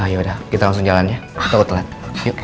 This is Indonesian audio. yaudah kita langsung jalannya tau telat yuk